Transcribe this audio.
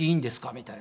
みたいな。